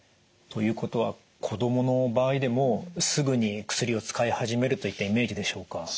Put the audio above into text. ということは子どもの場合でもすぐに薬を使い始めるといったイメージでしょうか？